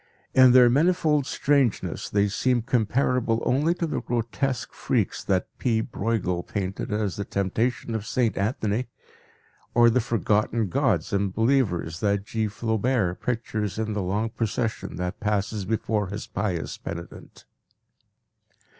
In their manifold strangeness they seem comparable only to the grotesque freaks that P. Breughel painted as the temptation of Saint Anthony, or the forgotten gods and believers that G. Flaubert pictures in the long procession that passes before his pious penitent.